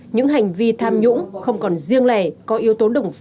những hành vi tham nhũng không còn riêng lẻ có yếu tố đồng phạm rất rõ